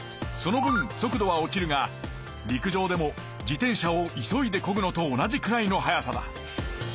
その分速度は落ちるが陸上でも自転車を急いでこぐのと同じぐらいの速さだ。